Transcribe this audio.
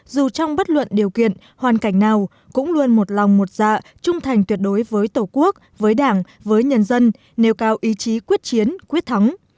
dù trong bất luận điều kiện hoàn cảnh nào cũng luôn một lòng một dạ trung thành tuyệt đối với tổ quốc với đảng với nhân dân nêu cao ý chí quyết chiến quyết thắng